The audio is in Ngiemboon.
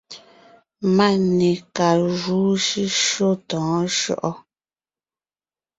Máne ka júu shʉ́shyó tɔ̌ɔn shyɔ́ʼɔ ?